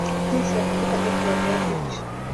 Jinsi ya kupika keki ya viazi lishe